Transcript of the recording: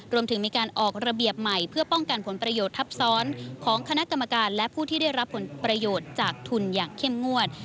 รวมถึงมีการออกระเบียบใหม่เพื่อป้องกันผลประโยชน์ทับซ้อนของคณะกรรมการและผู้ที่ได้รับผลประโยชน์จากทุนอย่างเข้มงวด